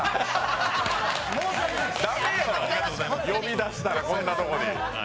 呼び出したら、こんなところに。